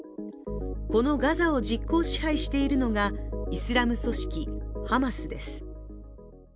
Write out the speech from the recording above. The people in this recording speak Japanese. このガザを実効支配しているのがイスラム組織ハマスです。